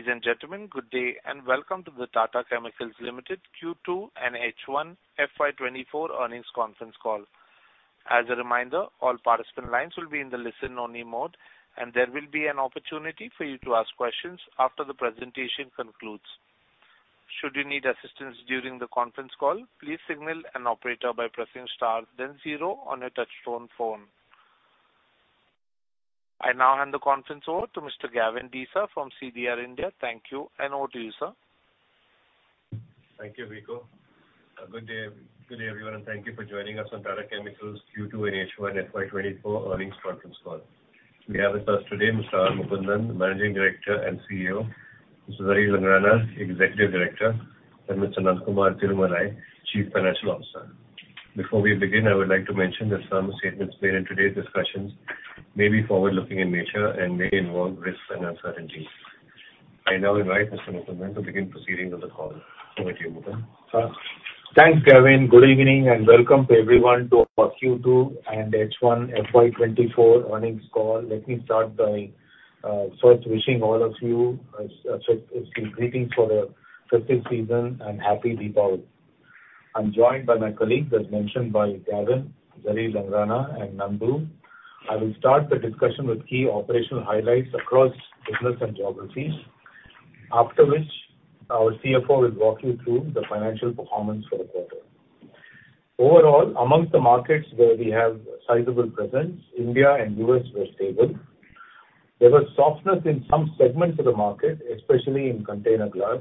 Ladies and gentlemen, good day, and welcome to the Tata Chemicals Limited Q2 and H1 FY 2024 earnings conference call. As a reminder, all participant lines will be in the listen-only mode, and there will be an opportunity for you to ask questions after the presentation concludes. Should you need assistance during the conference call, please signal an operator by pressing star then zero on your touchtone phone. I now hand the conference over to Mr. Gavin Desa from CDR India. Thank you, and over to you, sir. Thank you, Vivek. Good day, good day, everyone, and thank you for joining us on Tata Chemicals Q2 and H1 FY 2024 earnings conference call. We have with us today, Mr. Mukundan, the Managing Director and CEO, Mr. Zarir Langrana, Executive Director, and Mr. Nandakumar Tirumalai, Chief Financial Officer. Before we begin, I would like to mention that some statements made in today's discussions may be forward-looking in nature and may involve risks and uncertainties. I now invite Mr. Mukundan to begin proceedings of the call. Over to you, Mukundan. Thanks, Gavin. Good evening, and welcome to everyone to our Q2 and H1 FY 2024 earnings call. Let me start by first wishing all of you greetings for the festive season and Happy Deepavali. I'm joined by my colleagues, as mentioned by Gavin, Zarir Langrana and Nandu. I will start the discussion with key operational highlights across business and geographies, after which our CFO will walk you through the financial performance for the quarter. Overall, among the markets where we have sizable presence, India and U.S. were stable. There was softness in some segments of the market, especially in container glass.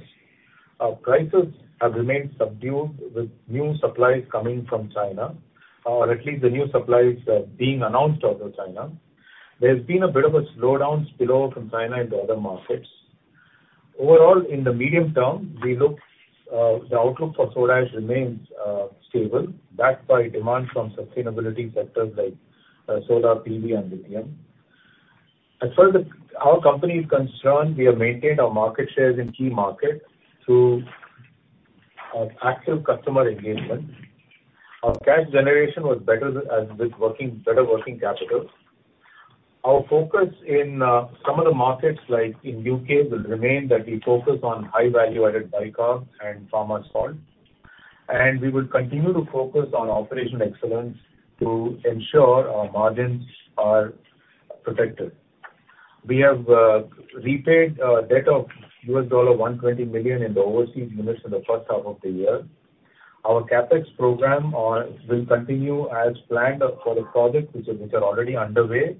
Our prices have remained subdued, with new supplies coming from China, or at least the new supplies being announced out of China. There's been a bit of a slowdown spill over from China into other markets. Overall, in the medium term, we look, the outlook for soda ash remains stable, backed by demand from sustainability sectors like solar PV and lithium. As far as our company is concerned, we have maintained our market shares in key markets through active customer engagement. Our cash generation was better as with working, better working capital. Our focus in some of the markets, like in U.K., will remain that we focus on high value-added bicarb and pharma salt. And we will continue to focus on operational excellence to ensure our margins are protected. We have repaid debt of $120 million in the overseas units in the first half of the year. Our CapEx program will continue as planned for the projects which are already underway,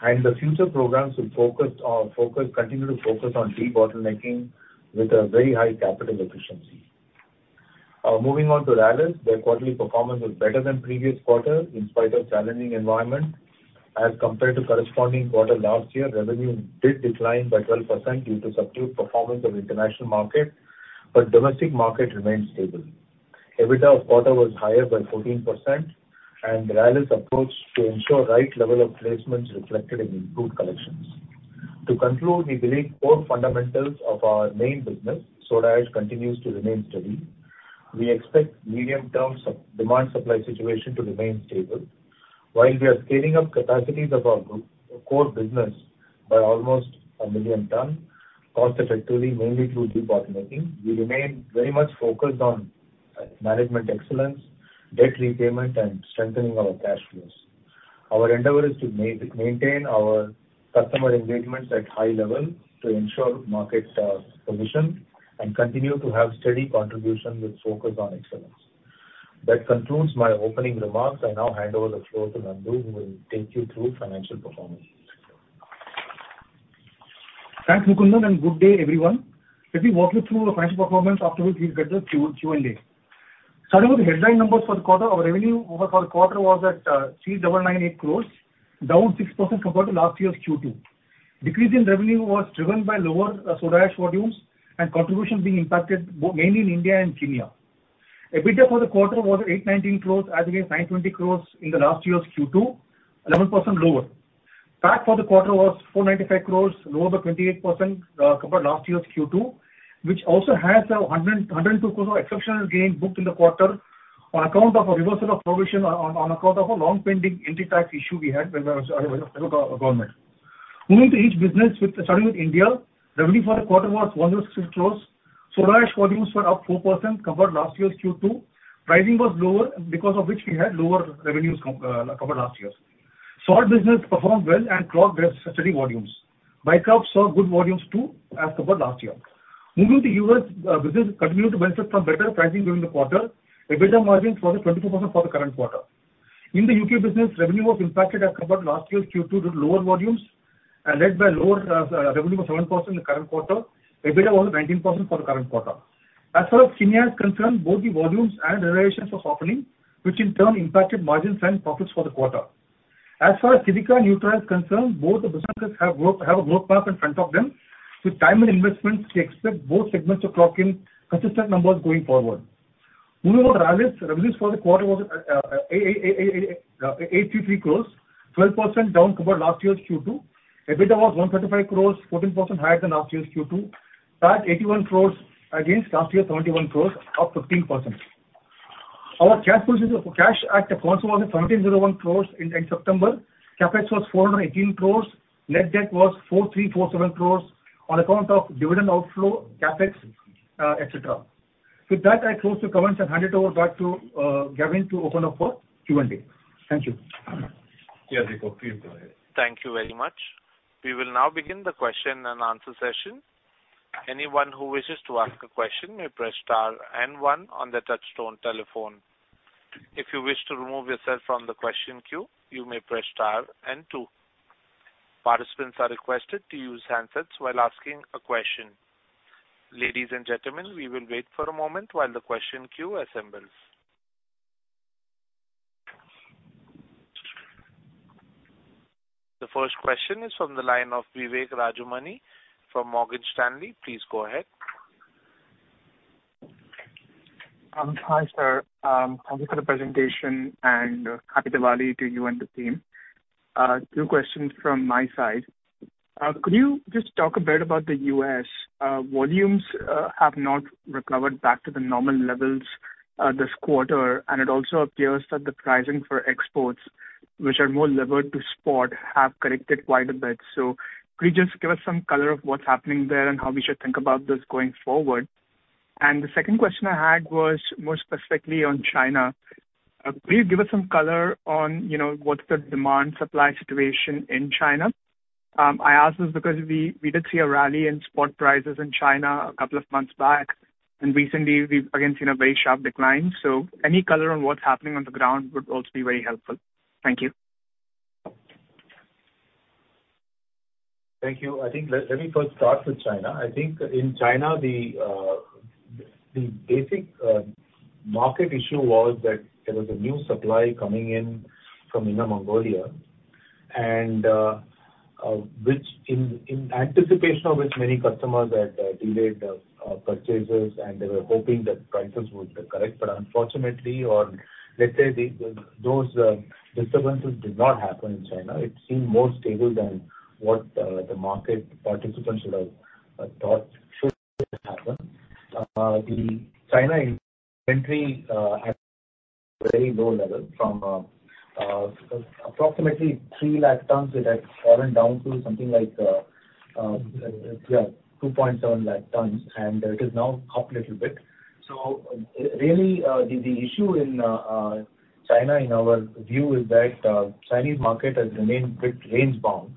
and the future programs will focus on... Focus, continue to focus on debottlenecking with a very high capital efficiency. Moving on to Rallis, their quarterly performance was better than previous quarter in spite of challenging environment. As compared to corresponding quarter last year, revenue did decline by 12% due to subdued performance of international market, but domestic market remained stable. EBITDA of quarter was higher by 14%, and Rallis approach to ensure right level of placements reflected in improved collections. To conclude, we believe core fundamentals of our main business, soda ash, continues to remain steady. We expect medium-term supply-demand/supply situation to remain stable. While we are scaling up capacities of our group, core business by almost 1 million tons, cost effectively, mainly through debottlenecking, we remain very much focused on, management excellence, debt repayment, and strengthening our cash flows. Our endeavor is to maintain our customer engagements at high level to ensure market position, and continue to have steady contribution with focus on excellence. That concludes my opening remarks. I now hand over the floor to Nandu, who will take you through financial performance. Thanks, Mukundan, and good day, everyone. Let me walk you through the financial performance, after which we'll get the Q&A. Starting with the headline numbers for the quarter, our revenue overall for the quarter was at 3,998 crore, down 6% compared to last year's Q2. Decrease in revenue was driven by lower soda ash volumes and contribution being impacted mainly in India and Kenya. EBITDA for the quarter was 890 crore as against 920 crore in last year's Q2, 11% lower. PAT for the quarter was 495 crore, lower by 28%, compared to last year's Q2, which also has a 102 crore exceptional gain booked in the quarter on account of a reversal of provision on account of a long-pending income tax issue we had with the government. Moving to each business, starting with India, revenue for the quarter was 106 crore. Soda ash volumes were up 4% compared to last year's Q2. Pricing was lower, because of which we had lower revenues compared to last year's. Salt business performed well and crossed their steady volumes. Bicarb saw good volumes, too, as compared to last year. Moving to U.S., business continued to benefit from better pricing during the quarter. EBITDA margins was at 22% for the current quarter. In the U.K. business, revenue was impacted as compared to last year's Q2 due to lower volumes and led by lower revenue of 7% in the current quarter. EBITDA was 19% for the current quarter. As far as Kenya is concerned, both the volumes and realizations were softening, which in turn impacted margins and profits for the quarter. As far as Silica and Nutra is concerned, both the businesses have growth, have a growth path in front of them. With time and investments, we expect both segments to clock in consistent numbers going forward. Moving on to Rallis, revenues for the quarter was 83 crores, 12% down compared to last year's Q2. EBITDA was 135 crores, 14% higher than last year's Q2. PAT 81 crores against last year's 21 crores, up 15%.... Our cash position, cash and cash equivalents was 1,701 crore in, in September. CapEx was 418 crore. Net debt was 4,347 crore on account of dividend outflow, CapEx, et cetera. With that, I close the comments and hand it over back to, Gavin, to open up for Q&A. Thank you. Yeah, Deepak, please go ahead. Thank you very much. We will now begin the question and answer session. Anyone who wishes to ask a question may press star and one on the touchtone telephone. If you wish to remove yourself from the question queue, you may press star and two. Participants are requested to use handsets while asking a question. Ladies and gentlemen, we will wait for a moment while the question queue assembles. The first question is from the line of Vivek Rajamani from Morgan Stanley. Please go ahead. Hi, sir. Thank you for the presentation, and Happy Diwali to you and the team. Two questions from my side. Could you just talk a bit about the U.S.? Volumes have not recovered back to the normal levels this quarter, and it also appears that the pricing for exports, which are more levered to spot, have corrected quite a bit. So could you just give us some color of what's happening there and how we should think about this going forward? And the second question I had was more specifically on China. Could you give us some color on, you know, what's the demand supply situation in China? I ask this because we did see a rally in spot prices in China a couple of months back, and recently we've again seen a very sharp decline. Any color on what's happening on the ground would also be very helpful. Thank you. Thank you. I think let me first start with China. I think in China, the basic market issue was that there was a new supply coming in from Inner Mongolia, and which in anticipation of which many customers had delayed purchases, and they were hoping that prices would correct. But unfortunately, or let's say those disturbances did not happen in China. It seemed more stable than what the market participants would have thought should happen. The China inventory at very low level from approximately 300,000 tons, it has fallen down to something like 270,000 tons, and it is now up little bit. So really, the issue in China, in our view, is that Chinese market has remained bit range-bound. And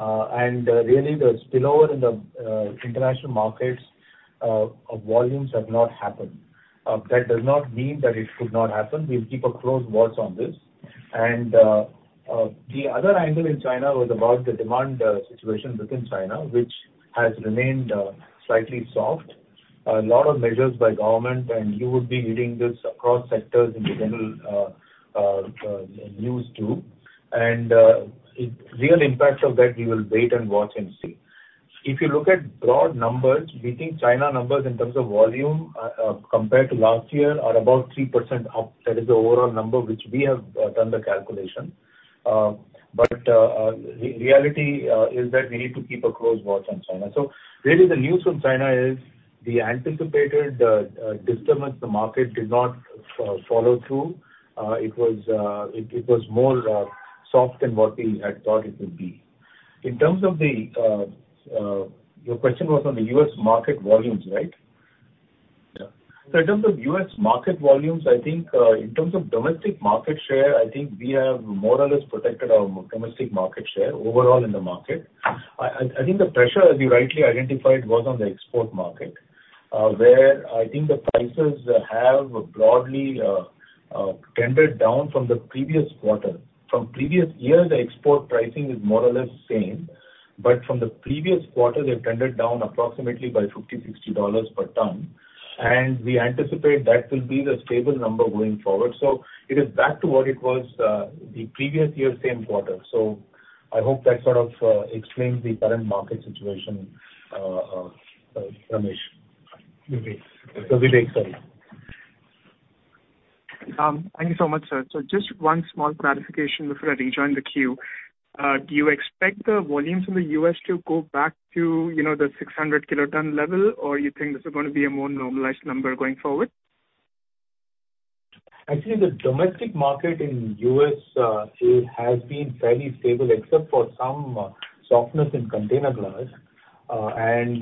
really the spillover in the international markets of volumes have not happened. That does not mean that it could not happen. We'll keep a close watch on this. And the other angle in China was about the demand situation within China, which has remained slightly soft. A lot of measures by government, and you would be reading this across sectors in the general news, too. And real impacts of that, we will wait and watch and see. If you look at broad numbers, we think China numbers in terms of volume compared to last year are about 3% up. That is the overall number which we have done the calculation. But reality is that we need to keep a close watch on China. So really the news from China is the anticipated disturbance the market did not follow through. It was more soft than what we had thought it would be. In terms of the Your question was on the U.S. market volumes, right? Yeah. So in terms of U.S. market volumes, I think, in terms of domestic market share, I think we have more or less protected our domestic market share overall in the market. I think the pressure, as you rightly identified, was on the export market, where I think the prices have broadly tended down from the previous quarter. From previous years, the export pricing is more or less same, but from the previous quarter, they've tended down approximately by $50-$60 per ton, and we anticipate that will be the stable number going forward. So it is back to what it was, the previous year, same quarter. So I hope that sort of explains the current market situation, Ramesh. Okay. Vivek, sorry. Thank you so much, sir. So just one small clarification before I rejoin the queue. Do you expect the volumes in the U.S. to go back to, you know, the 600 kiloton level, or you think this is going to be a more normalized number going forward? Actually, the domestic market in U.S., it has been fairly stable, except for some softness in container glass. And,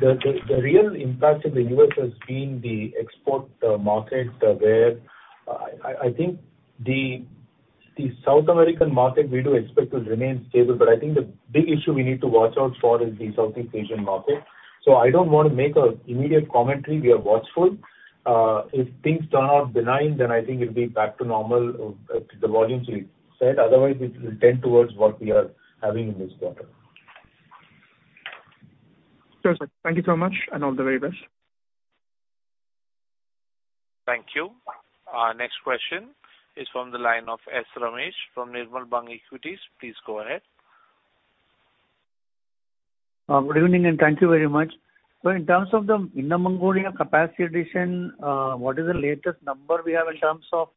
the real impact in the U.S. has been the export market, where I think the South American market we do expect to remain stable, but I think the big issue we need to watch out for is the Southeast Asian market. So I don't want to make an immediate commentary. We are watchful. If things turn out benign, then I think it'll be back to normal, the volumes we said. Otherwise, it will tend towards what we are having in this quarter. Sure, sir. Thank you so much, and all the very best. Thank you. Our next question is from the line of S. Ramesh, from Nirmal Bang Equities. Please go ahead. Good evening, and thank you very much. So in terms of the Inner Mongolia capacity addition, what is the latest number we have in terms of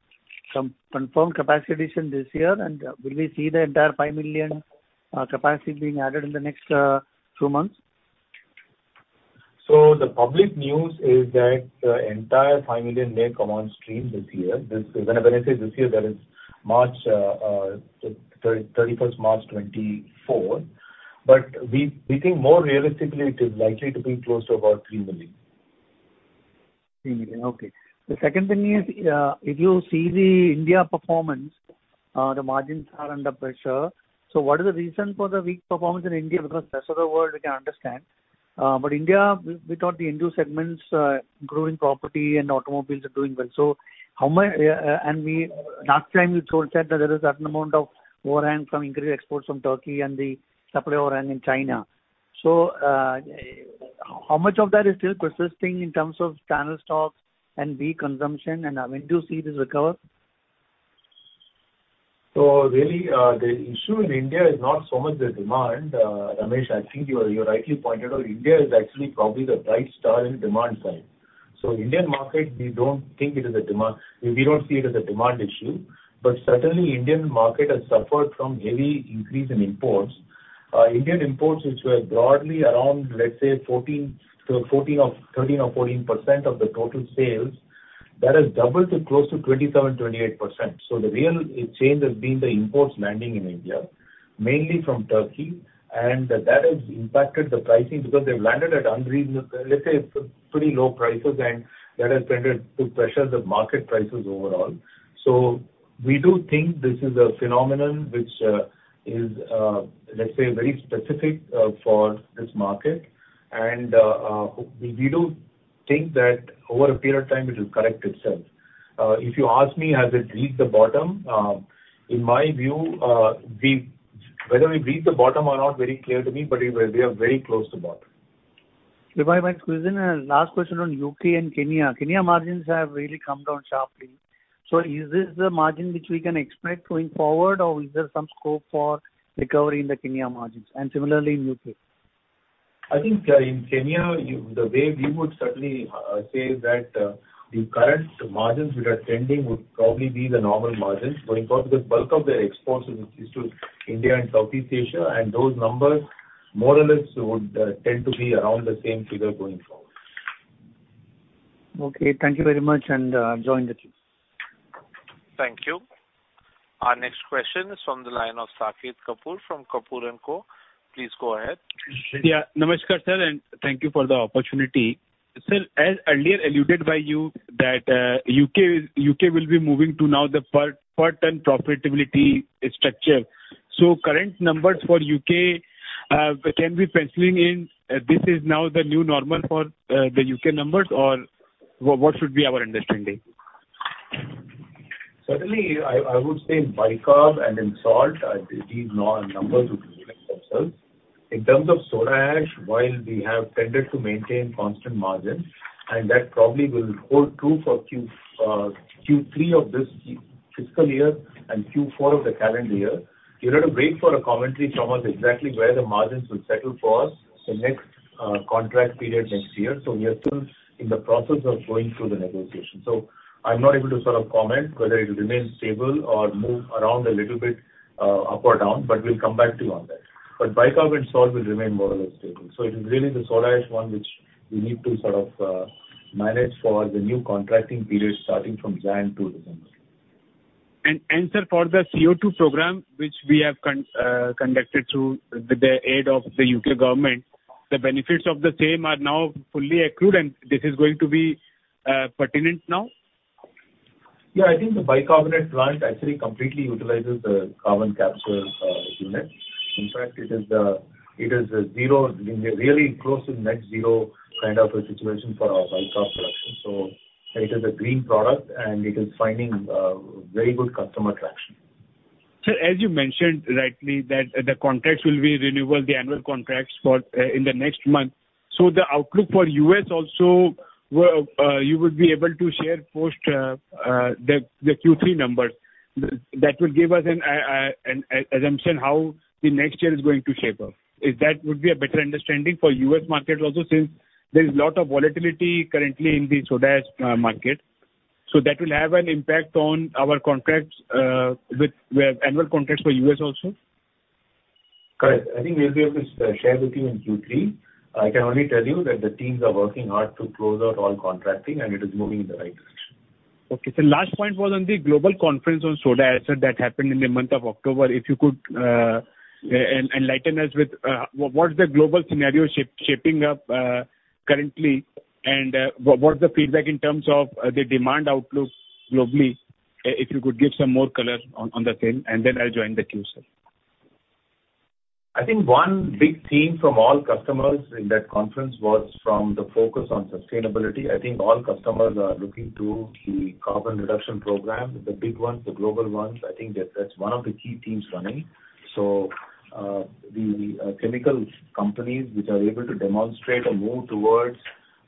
some confirmed capacity addition this year? And will we see the entire 5 million capacity being added in the next few months? ...So the public news is that the entire 5 million net command stream this year. This, when I say this year, that is March 31st, 2024. But we think more realistically, it is likely to be close to about 3 million. 3 million, okay. The second thing is, if you see the India performance, the margins are under pressure. So what is the reason for the weak performance in India? Because rest of the world we can understand. But India, we, we thought the India segments, growing property and automobiles are doing well. So how much, and last time you told that there is a certain amount of overhang from increased exports from Turkey and the supply overhang in China. So, how much of that is still persisting in terms of channel stocks and weak consumption, and when do you see this recover? So really, the issue in India is not so much the demand. Ramesh, I think you are, you rightly pointed out, India is actually probably the bright star in demand side. So Indian market, we don't think it is a demand—we don't see it as a demand issue. But certainly, Indian market has suffered from heavy increase in imports. Indian imports, which were broadly around, let's say, 14%, so 13% or 14% of the total sales, that has doubled to close to 27%-28%. So the real change has been the imports landing in India, mainly from Turkey, and that has impacted the pricing because they've landed at unreasonable, let's say, pretty low prices, and that has tended to pressure the market prices overall. So we do think this is a phenomenon which is, let's say, very specific for this market. We do think that over a period of time, it will correct itself. If you ask me, has it reached the bottom? In my view, whether we've reached the bottom or not, very clear to me, but we are, we are very close to bottom. If I might squeeze in a last question on U.K. and Kenya. Kenya margins have really come down sharply. So is this the margin which we can expect going forward, or is there some scope for recovery in the Kenya margins and similarly in U.K.? I think, in Kenya, you, the way we would certainly say that, the current margins which are trending would probably be the normal margins, going forward. Because the bulk of the exports is to India and Southeast Asia, and those numbers more or less would tend to be around the same figure going forward. Okay, thank you very much, and join the queue. Thank you. Our next question is from the line of Saket Kapoor, from Kapoor and Co. Please go ahead. Yeah, Namaskar, sir, and thank you for the opportunity. Sir, as earlier alluded by you, that U.K. will be moving to now the part and profitability structure. So current numbers for U.K., can we penciling in, this is now the new normal for the U.K. numbers, or what should be our understanding? Certainly, I, I would say in bicarb and in salt, these numbers would be themselves. In terms of soda ash, while we have tended to maintain constant margins, and that probably will hold true for Q, Q3 of this fiscal year and Q4 of the calendar year. You're going to wait for a commentary from us exactly where the margins will settle for us the next, contract period next year. So we are still in the process of going through the negotiation. So I'm not able to sort of comment whether it will remain stable or move around a little bit, up or down, but we'll come back to you on that. But bicarb and salt will remain more or less stable. It is really the Soda Ash one which we need to sort of manage for the new contracting period starting from January 2. Sir, for the CO2 program, which we have conducted through the aid of the U.K. government, the benefits of the same are now fully accrued, and this is going to be pertinent now? Yeah, I think the bicarbonate plant actually completely utilizes the carbon capture unit. In fact, it is a zero, really close to net zero kind of a situation for our bicarb production. So it is a green product, and it is finding very good customer traction. Sir, as you mentioned, rightly, that the contracts will be renewable, the annual contracts for in the next month. So the outlook for U.S. also, you would be able to share post the Q3 numbers. That will give us an an assumption how the next year is going to shape up. If that would be a better understanding for U.S. market also, since there is a lot of volatility currently in the soda ash market. So that will have an impact on our contracts with annual contracts for U.S. also? Correct. I think we'll be able to share with you in Q3. I can only tell you that the teams are working hard to close out all contracting, and it is moving in the right direction. Okay. So last point was on the global conference on soda ash that happened in the month of October. If you could enlighten us with what is the global scenario shaping up currently, and what is the feedback in terms of the demand outlook globally? If you could give some more color on the same, and then I'll join the queue, sir. I think one big theme from all customers in that conference was from the focus on sustainability. I think all customers are looking to the carbon reduction program, the big ones, the global ones. I think that, that's one of the key themes running. So, the chemical companies which are able to demonstrate a move towards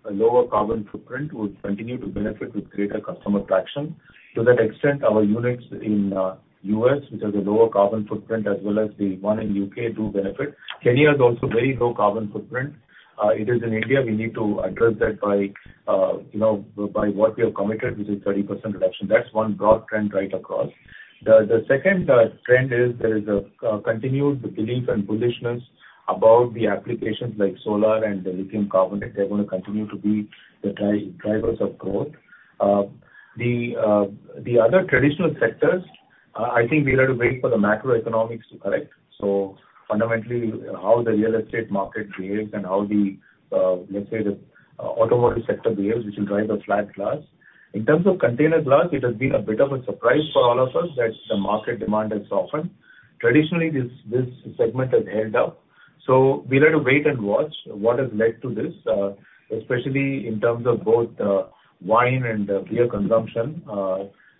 a lower carbon footprint will continue to benefit with greater customer traction. To that extent, our units in U.S., which has a lower carbon footprint, as well as the one in U.K., do benefit. Kenya has also very low carbon footprint. It is in India, we need to address that by, you know, by what we have committed, which is 30% reduction. That's one broad trend right across. The second trend is there is a continued belief and bullishness about the applications like solar and the lithium carbonate. They're gonna continue to be the drivers of growth. The other traditional sectors, I think we have to wait for the macroeconomics to correct. So fundamentally, how the real estate market behaves and how the, let's say, the automotive sector behaves, which will drive the flat glass. In terms of container glass, it has been a bit of a surprise for all of us that the market demand has softened. Traditionally, this segment has held up. So we have to wait and watch what has led to this, especially in terms of both wine and beer consumption,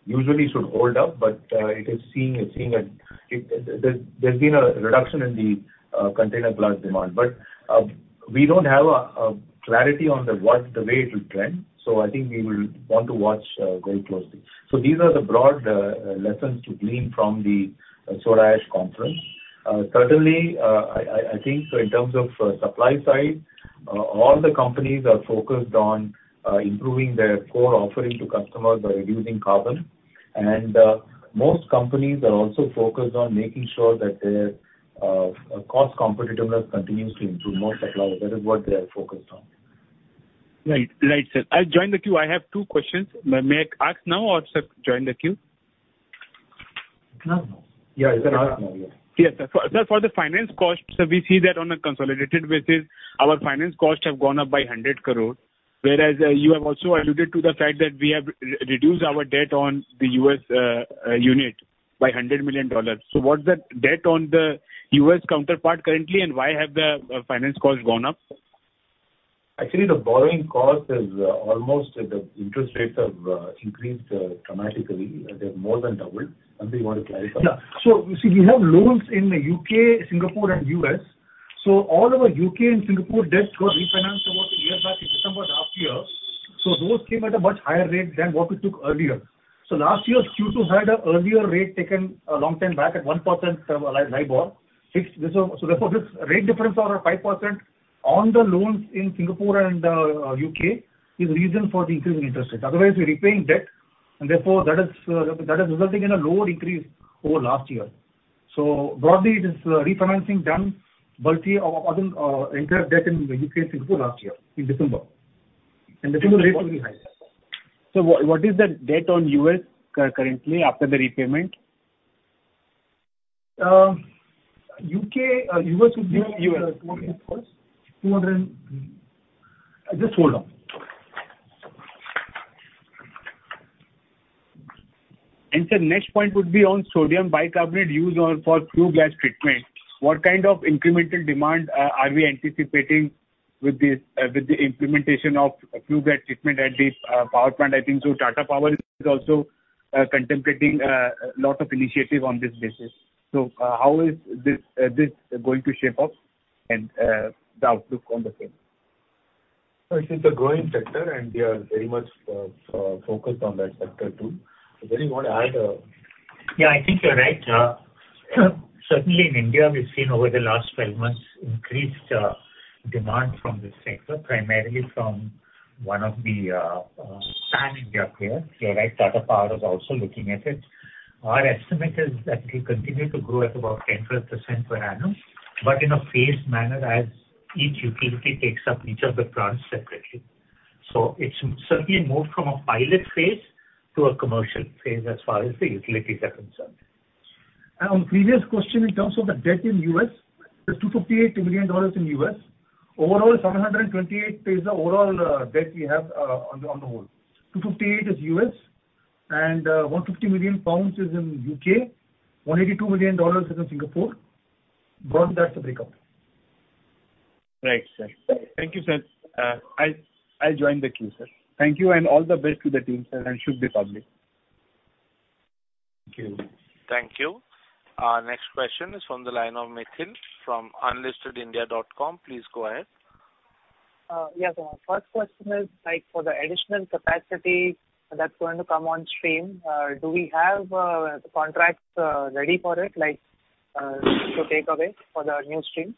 usually should hold up, but it is seeing, it's seeing there, there's been a reduction in the container glass demand. But we don't have a clarity on what's the way it will trend, so I think we will want to watch very closely. So these are the broad lessons to glean from the soda ash conference. Certainly, I think so in terms of supply side, all the companies are focused on improving their core offering to customers by reducing carbon. And most companies are also focused on making sure that their cost competitiveness continues to improve more than last. That is what they are focused on. Right. Right, sir. I'll join the queue. I have two questions. May I ask now or, sir, join the queue? You can ask now. Yeah, you can ask now, yeah. Yes, sir. Sir, for the finance costs, so we see that on a consolidated basis, our finance costs have gone up by 100 crore. Whereas, you have also alluded to the fact that we have reduced our debt on the U.S. unit by $100 million. So what's the debt on the U.S. counterpart currently, and why have the finance costs gone up? Actually, the borrowing cost is almost the interest rates have increased dramatically. They've more than doubled. Nandu, you want to clarify? Yeah. So you see, we have loans in the U.K., Singapore, and U.S. So all our U.K. and Singapore debts got refinanced about a year back in December last year, so those came at a much higher rate than what we took earlier. So last year, Q2 had an earlier rate taken a long time back at 1% LIBOR, so therefore, this rate difference of 5% on the loans in Singapore and U.K. is reason for the increase in interest rate. Otherwise, we're repaying debt, and therefore, that is, that is resulting in a lower increase over last year. So broadly, it is refinancing done bulk of our entire debt in U.K., Singapore last year in December, and the single rate will be higher. So what is the debt on US currently after the repayment? UK, US would be- US. 200 and... Just hold on. Sir, next point would be on sodium bicarbonate used on for flue gas treatment. What kind of incremental demand are we anticipating with this, with the implementation of flue gas treatment at the power plant? I think so Tata Power is also contemplating a lot of initiative on this basis. How is this going to shape up and the outlook on the same? This is a growing sector, and we are very much focused on that sector, too. So do you want to add? Yeah, I think you're right. Certainly in India, we've seen over the last 12 months, increased demand from this sector, primarily from one of the pan-India players. You're right, Tata Power is also looking at it. Our estimate is that it will continue to grow at about 10%-12% per annum, but in a phased manner as each utility takes up each of the plants separately. So it's certainly moved from a pilot phase to a commercial phase as far as the utilities are concerned. On the previous question, in terms of the debt in the U.S., it's $258 million in the U.S. Overall, $728 million is the overall debt we have on the whole. $258 million is U.S., and 150 million pounds is in the U.K., 182 million dollars is in Singapore. Broadly, that's the breakout. Right, sir. Thank you, sir. I'll join the queue, sir. Thank you, and all the best to the team, sir, and should be public. Thank you. Thank you. Our next question is from the line of Mithil from unlistedindia.com. Please go ahead. Yes. So my first question is, like, for the additional capacity that's going to come on stream, do we have the contracts ready for it, like, to take away for the new stream?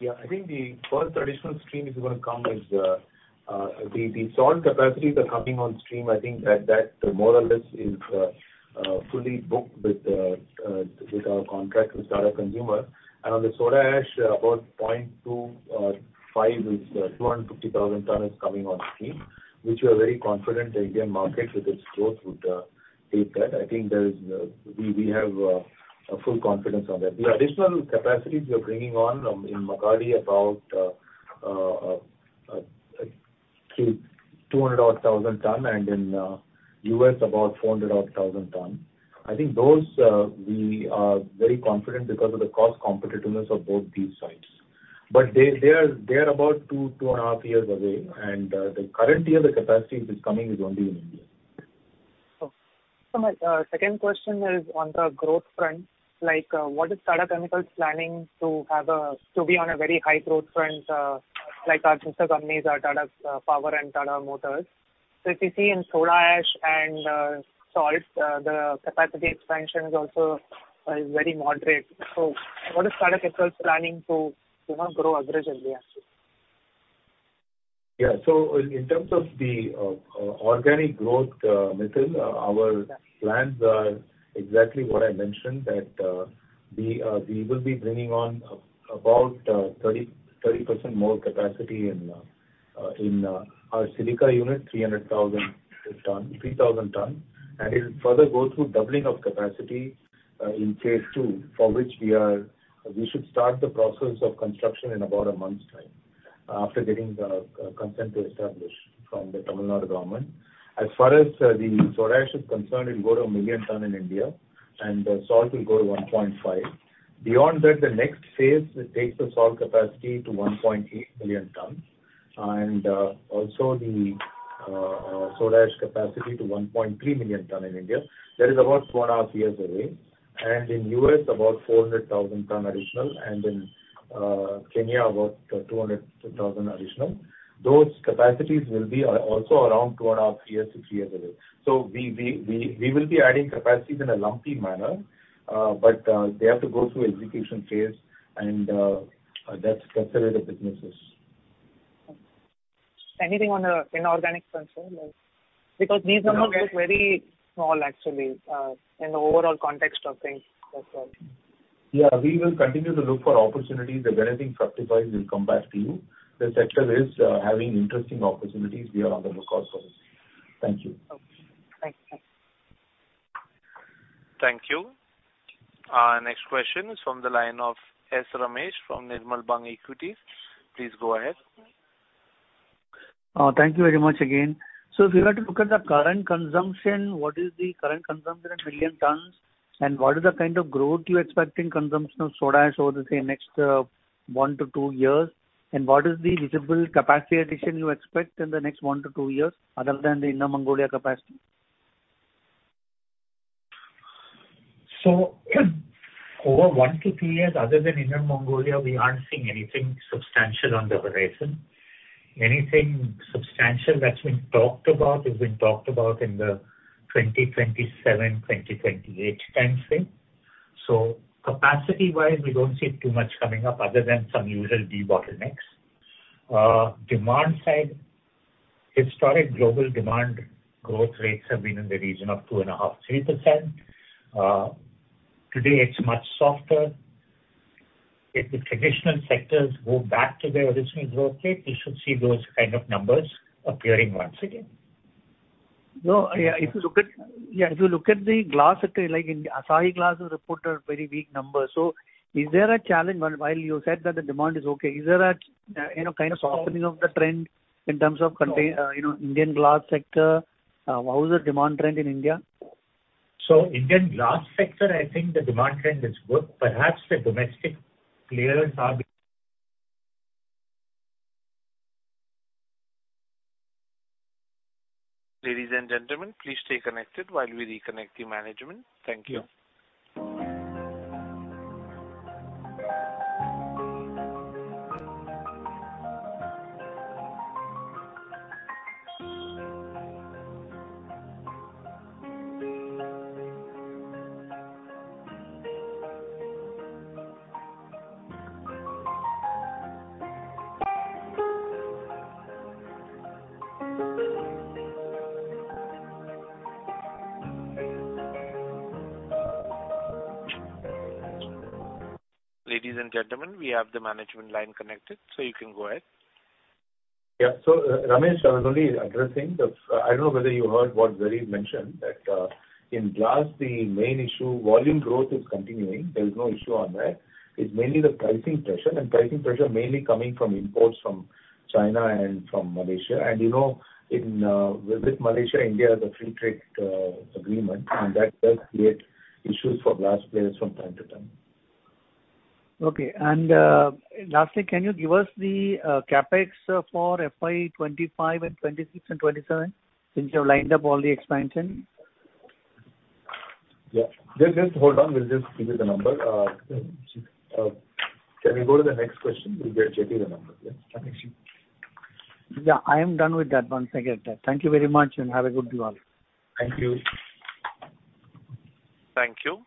Yeah, I think the first traditional stream is gonna come as the salt capacities are coming on stream. I think that more or less is fully booked with our contract with Tata Consumer. And on the soda ash, about 0.25 is 250,000 tons coming on stream, which we are very confident the Indian market with its growth would take that. I think we have a full confidence on that. The additional capacities we are bringing on in Magadi, about 200 odd thousand tons, and in U.S., about 400 odd thousand tons. I think those we are very confident because of the cost competitiveness of both these sites. But they are about two, two and a half years away, and the current year, the capacity which is coming is only in India. So my second question is on the growth front. Like, what is Tata Chemicals planning to be on a very high growth front, like our sister companies are Tata Power and Tata Motors? So if you see in soda ash and salts, the capacity expansion is also very moderate. So what is Tata Chemicals planning to, you know, grow aggressively actually? Yeah. So in terms of the organic growth, Mithil, our plans are exactly what I mentioned, that... We will be bringing on about 30% more capacity in our silica unit, 300,000 ton, 3,000 ton. And it'll further go through doubling of capacity in phase two, for which we should start the process of construction in about a month's time, after getting the consent to establish from the Tamil Nadu government. As far as the soda ash is concerned, it'll go to 1 million ton in India, and the salt will go to 1.5. Beyond that, the next phase will take the salt capacity to 1.8 million tons, and also the soda ash capacity to 1.3 million ton in India. That is about 2.5 years away. In U.S., about 400,000 tons additional, and in Kenya, about 200,000 additional. Those capacities will be also around 2.5-3 years away. We will be adding capacities in a lumpy manner, but they have to go through execution phase, and that's the way the business is. Anything on the inorganic front as well? Because these numbers look very small actually in the overall context of things, that's all. Yeah, we will continue to look for opportunities. If anything justifies, we'll come back to you. The sector is having interesting opportunities. We are on the lookout for those. Thank you. Okay. Thanks. Thank you. Our next question is from the line of S. Ramesh from Nirmal Bang Equities. Please go ahead. Thank you very much again. So if you were to look at the current consumption, what is the current consumption in million tons? And what is the kind of growth you expect in consumption of soda ash over the, say, next, 1-2 years? And what is the visible capacity addition you expect in the next 1-2 years, other than the Inner Mongolia capacity? So over 1-2 years, other than Inner Mongolia, we aren't seeing anything substantial on the horizon. Anything substantial that's been talked about has been talked about in the 2027-2028 time frame. So capacity-wise, we don't see too much coming up other than some usual debottlenecks. Demand side, historic global demand growth rates have been in the region of 2.5%-3%. Today, it's much softer. If the traditional sectors go back to their original growth rate, you should see those kind of numbers appearing once again. No, yeah, if you look at... Yeah, if you look at the glass sector, like, Asahi Glass reported a very weak number. So is there a challenge? While you said that the demand is okay, is there a, you know, kind of softening of the trend in terms of container, you know, Indian glass sector? How is the demand trend in India? Indian glass sector, I think the demand trend is good. Perhaps the domestic clearance are- Ladies and gentlemen, please stay connected while we reconnect the management. Thank you. Ladies and gentlemen, we have the management line connected, so you can go ahead. Yeah. So, Ramesh, I was only addressing the... I don't know whether you heard what Zarir mentioned, that, in glass, the main issue, volume growth is continuing. There is no issue on that. It's mainly the pricing pressure, and pricing pressure mainly coming from imports from China and from Malaysia. And you know, in, with Malaysia, India has a free trade agreement, and that does create issues for glass players from time to time. Okay. And, lastly, can you give us the CapEx for FY 25 and 26 and 27, since you have lined up all the expansion? Yeah. Just, just hold on. We'll just give you the number. Can we go to the next question? We'll get you the numbers, yeah? Yeah, I am done with that one. Thank you very much, and have a good day. Thank you. Thank you.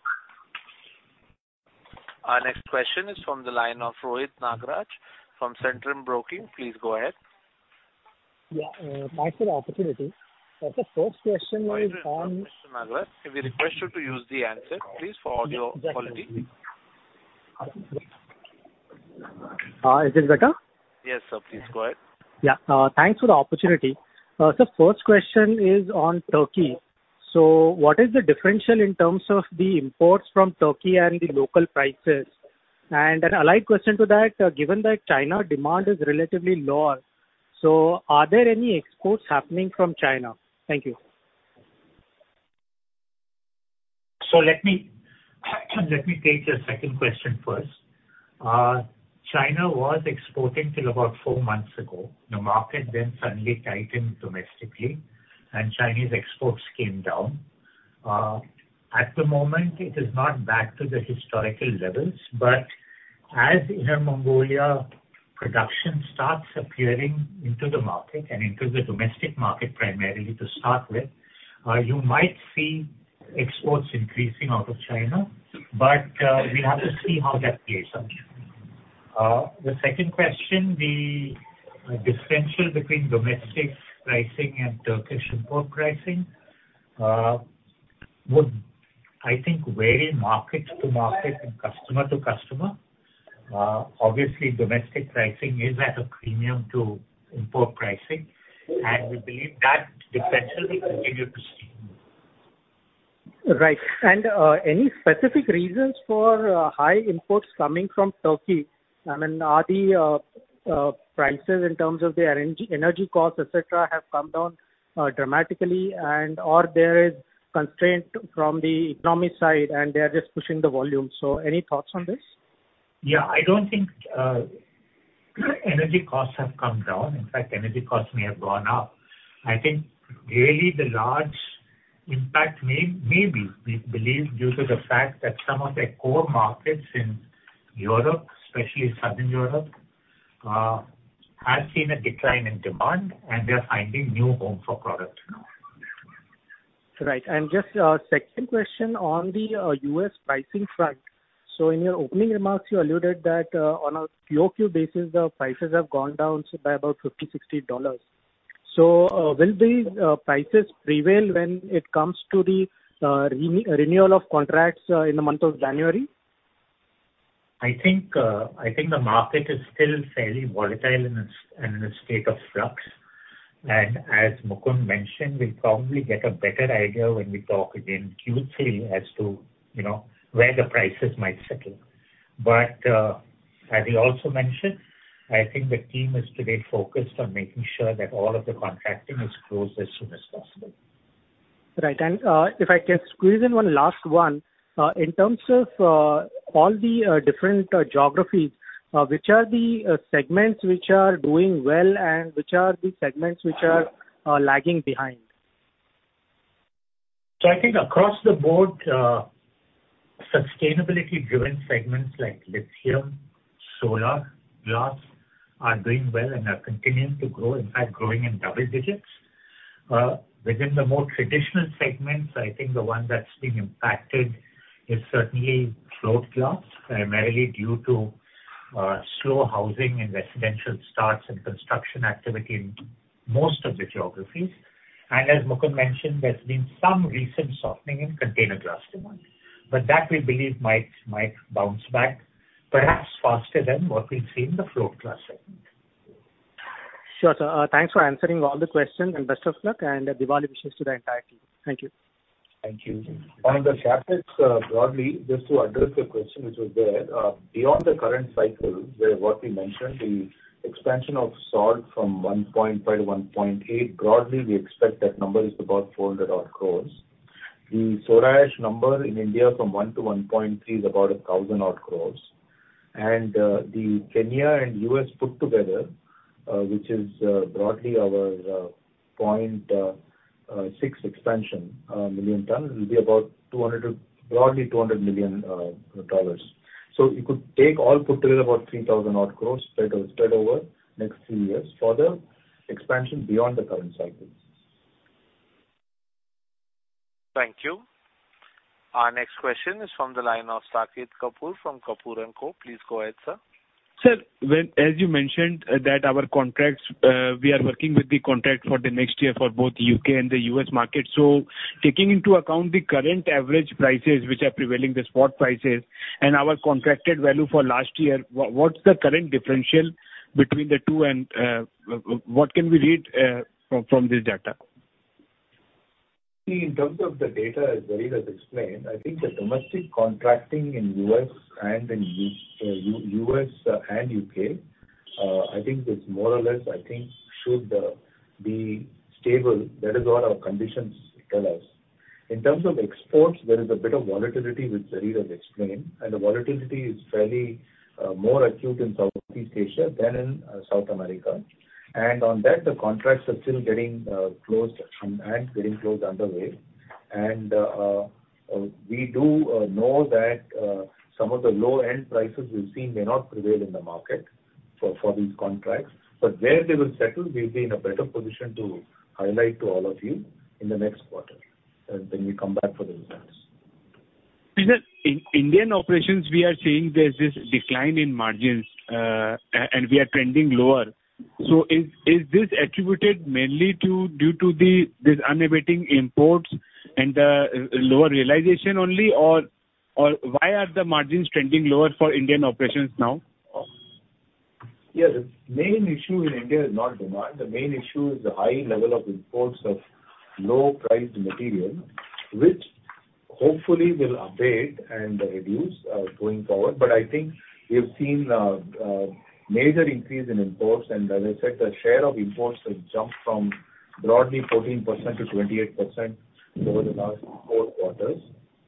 Our next question is from the line of Rohit Nagraj from Centrum Broking. Please go ahead. Yeah, thanks for the opportunity. So first question is on- Rohit Nagraj, we request you to use the handset, please, for audio quality. Is this better? Yes, sir. Please go ahead. Yeah, thanks for the opportunity. So first question is on Turkey. So what is the differential in terms of the imports from Turkey and the local prices? And an allied question to that, given that China demand is relatively lower, so are there any exports happening from China? Thank you. So let me, let me take your second question first. China was exporting till about four months ago. The market then suddenly tightened domestically, and Chinese exports came down. At the moment, it is not back to the historical levels, but as Inner Mongolia production starts appearing into the market and into the domestic market primarily to start with, you might see exports increasing out of China, but, we have to see how that plays out.... The second question, the differential between domestic pricing and Turkish import pricing would, I think, vary market to market and customer to customer. Obviously, domestic pricing is at a premium to import pricing, and we believe that differential will continue to see. Right. And, any specific reasons for, high imports coming from Turkey? I mean, are the, prices in terms of their energy costs, et cetera, have come down, dramatically, and or there is constraint from the economic side, and they are just pushing the volume. So any thoughts on this? Yeah, I don't think energy costs have come down. In fact, energy costs may have gone up. I think really the large impact may be, we believe, due to the fact that some of their core markets in Europe, especially Southern Europe, have seen a decline in demand, and they are finding new home for product now. Right. And just, second question on the, U.S. pricing front. So in your opening remarks, you alluded that, on a QOQ basis, the prices have gone down by about $50-$60. So, will these, prices prevail when it comes to the, renewal of contracts, in the month of January? I think the market is still fairly volatile and in a state of flux. And as Mukundan mentioned, we'll probably get a better idea when we talk again Q3 as to, you know, where the prices might settle. But as he also mentioned, I think the team is today focused on making sure that all of the contracting is closed as soon as possible. Right. And, if I can squeeze in one last one. In terms of, all the different geographies, which are the segments which are doing well, and which are the segments which are lagging behind? So I think across the board, sustainability-driven segments like lithium, solar glass, are doing well and are continuing to grow, in fact, growing in double digits. Within the more traditional segments, I think the one that's been impacted is certainly Float Glass, primarily due to, slow housing and residential starts and construction activity in most of the geographies. And as Mukundan mentioned, there's been some recent softening in Container Glass demand, but that we believe might bounce back perhaps faster than what we've seen in the Float Glass segment. Sure, sir. Thanks for answering all the questions, and best of luck, and Diwali wishes to the entire team. Thank you. Thank you. On the CapEx, broadly, just to address your question, which was there, beyond the current cycle, where what we mentioned, the expansion of soda ash from 1.5 to 1.8, broadly, we expect that number is about 400 crores. The soda ash number in India from 1 to 1.3 is about 1,000 crores. And the Kenya and US put together, which is broadly our 0.6 expansion million tons, will be about $200 million to broadly $200 million. So you could take all put together about 3,000 crores, spread over next three years for the expansion beyond the current cycle. Thank you. Our next question is from the line of Saket Kapoor, from Kapoor & Co. Please go ahead, sir. Sir, as you mentioned that our contracts, we are working with the contract for the next year for both U.K. and the U.S. market. So taking into account the current average prices, which are prevailing the spot prices, and our contracted value for last year, what's the current differential between the two, and what can we read from this data? In terms of the data, as Zarir has explained, I think the domestic contracting in the U.S. and in the U.K., I think it's more or less, I think, should be stable. That is what our conditions tell us. In terms of exports, there is a bit of volatility, which Zarir has explained, and the volatility is fairly more acute in Southeast Asia than in South America. On that, the contracts are still getting closed and getting closed underway. We do know that some of the low-end prices we've seen may not prevail in the market for these contracts, but where they will settle, we'll be in a better position to highlight to all of you in the next quarter when we come back for the results. In the Indian operations, we are seeing there's this decline in margins and we are trending lower. So is this attributed mainly due to this unabated imports and lower realization only, or why are the margins trending lower for Indian operations now? Yes, the main issue in India is not demand. The main issue is the high level of imports of low-priced material, which hopefully will abate and reduce going forward. But I think we have seen a major increase in imports, and as I said, the share of imports has jumped from broadly 14% to 28% over the last four quarters.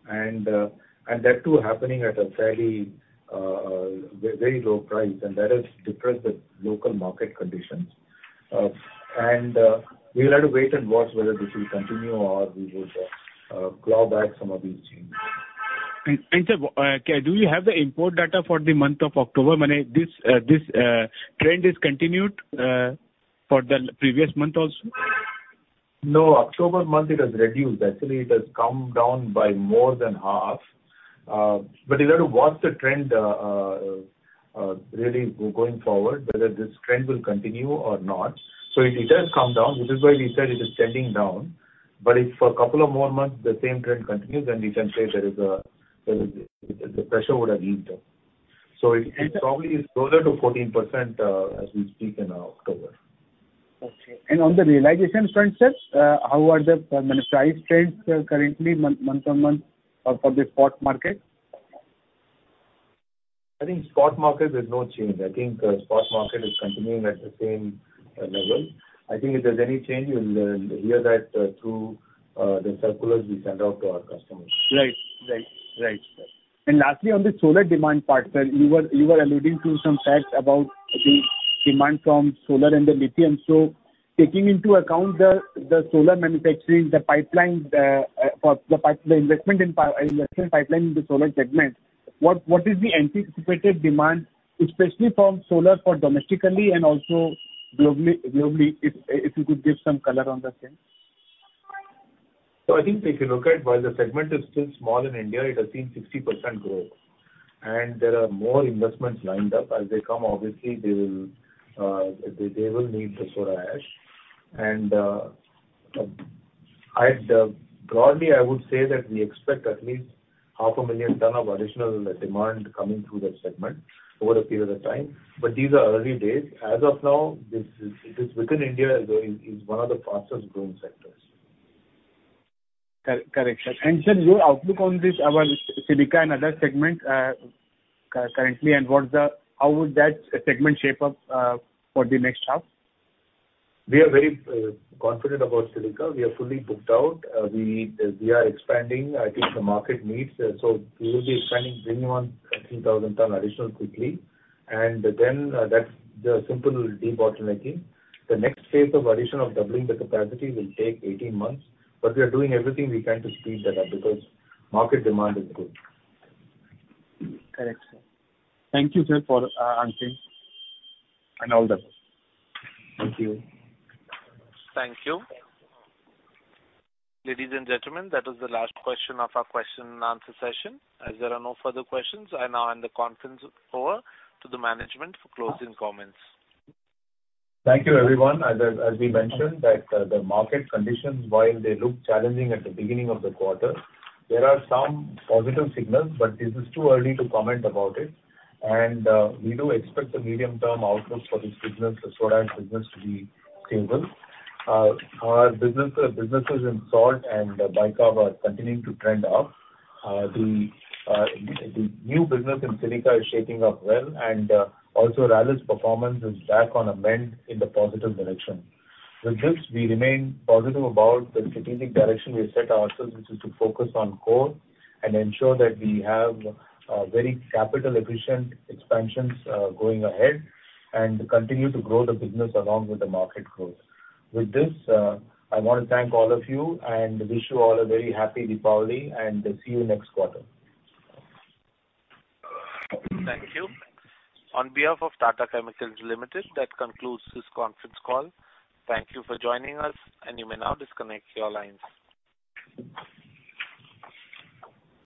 And that, too, happening at a fairly very low price, and that has depressed the local market conditions. And we will have to wait and watch whether this will continue or we would claw back some of these changes. Sir, do you have the import data for the month of October? I mean, this trend is continued for the previous month also? ...No, October month, it has reduced. Actually, it has come down by more than half. But you have to watch the trend, really going forward, whether this trend will continue or not. So it has come down, which is why we said it is trending down. But if for a couple of more months, the same trend continues, then we can say the pressure would have eased up. So it probably is closer to 14%, as we speak in October. Okay. On the realization front, sir, how are the, I mean, price trends currently month-on-month for the spot market? I think spot market, there's no change. I think spot market is continuing at the same level. I think if there's any change, you'll hear that through the circulars we send out to our customers. Right. Right. Right. And lastly, on the solar demand part, sir, you were, you were alluding to some facts about the demand from solar and the lithium. So taking into account the solar manufacturing pipeline, the investment pipeline in the solar segment, what, what is the anticipated demand, especially from solar for domestically and also globally, globally? If, if you could give some color on that thing. So I think if you look at while the segment is still small in India, it has seen 60% growth. And there are more investments lined up. As they come, obviously, they will need the soda ash. And I'd... Broadly, I would say that we expect at least 500,000 tons of additional demand coming through that segment over a period of time. But these are early days. As of now, this within India is one of the fastest growing sectors. Correct, sir. And, sir, your outlook on this, our silica and other segments, currently, and how would that segment shape up for the next half? We are very confident about silica. We are fully booked out. We are expanding. I think the market needs, so we will be expanding, bringing on a few thousand tons additional quickly. And then, that's the simple debottlenecking again. The next phase of addition of doubling the capacity will take 18 months, but we are doing everything we can to speed that up because market demand is good. Correct, sir. Thank you, sir, for answering. All the best. Thank you. Thank you. Ladies and gentlemen, that was the last question of our question and answer session. As there are no further questions, I now hand the conference over to the management for closing comments. Thank you, everyone. As I, as we mentioned, that the market conditions, while they look challenging at the beginning of the quarter, there are some positive signals, but this is too early to comment about it. We do expect the medium-term outlook for this business, the soda ash business, to be stable. Our businesses in salt and bicarb are continuing to trend up. The new business in silica is shaping up well, and also Rallis' performance is back on the mend in the positive direction. With this, we remain positive about the strategic direction we've set ourselves, which is to focus on core and ensure that we have very capital efficient expansions going ahead, and continue to grow the business along with the market growth. With this, I want to thank all of you and wish you all a very happy Deepavali, and see you next quarter. Thank you. On behalf of Tata Chemicals Limited, that concludes this conference call. Thank you for joining us, and you may now disconnect your lines.